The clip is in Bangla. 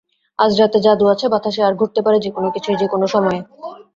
আজ রাতে জাদু আছে বাতাসে, আর ঘটতে পারে যেকোনো কিছুই, যেকোনো সময়ে।